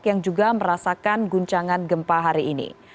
yang juga merasakan guncangan gempa hari ini